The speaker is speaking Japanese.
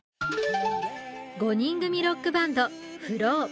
５人組ロックバンド、ＦＬＯＷ。